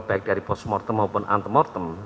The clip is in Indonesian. baik dari postmortem maupun antemortem